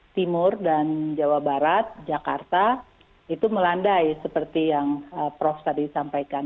timur dan jawa barat jakarta itu melandai seperti yang prof tadi sampaikan